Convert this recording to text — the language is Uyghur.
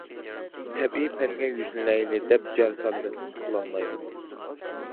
تەبىئىي پەنگە يۈزلىنەيلى دەپ جار سالىمىز، قىلالمايمىز.